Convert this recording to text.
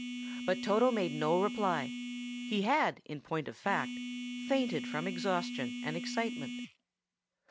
But Toto made no reply. He had, in point of fact, fainted from exhaustion and excitement.